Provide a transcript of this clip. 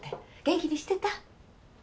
元気にしてた？